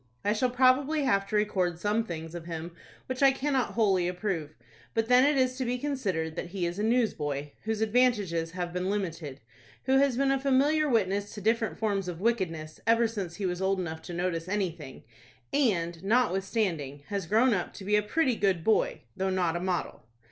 I shall probably have to record some things of him which I cannot wholly approve. But then it is to be considered that he is a newsboy, whose advantages have been limited, who has been a familiar witness to different forms of wickedness ever since he was old enough to notice anything, and, notwithstanding, has grown up to be a pretty good boy, though not a model.